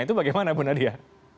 itu bagaimana bu nadia